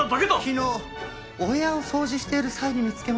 昨日お部屋を掃除している際に見つけました。